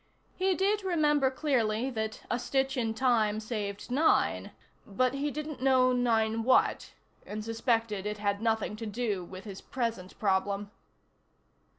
He did remember clearly that a stitch in time saved nine, but he didn't know nine what, and suspected it had nothing to do with his present problem.